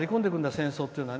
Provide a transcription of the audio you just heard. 戦争っていうのは。